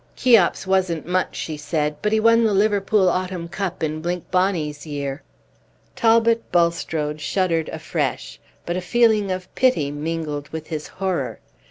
Page 16 "Cheops wasn't much," she said; "but he won the Liverpool Autumn Cup in Blink Bonny's year." Talbot Bulstrode shuddered afresh; but a feeling of pity mingled with his horror.